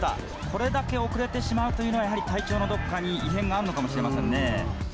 これだけ遅れてしまうというのは、やはり体調のどこかに異変があるのかもしれませんね。